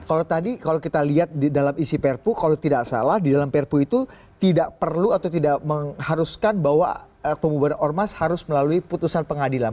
kalau tadi kalau kita lihat dalam isi perpu kalau tidak salah di dalam perpu itu tidak perlu atau tidak mengharuskan bahwa pembubaran ormas harus melalui putusan pengadilan